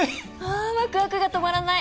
ああワクワクが止まらない。